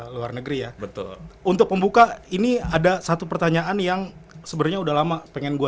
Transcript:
luar negeri ya betul untuk membuka ini ada satu pertanyaan yang sebenarnya udah lama pengen gue